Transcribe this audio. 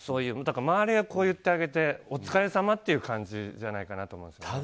だから周りが言ってあげてお疲れさまっていう感じじゃないかなと思います。